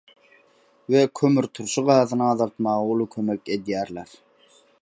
we kömürturşy gazyny azaltmaga uly kömek edýärler.